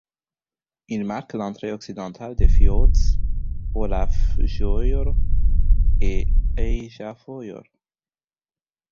Il marque l'entrée occidentale des fjords Ólafsfjörður et Eyjafjörður.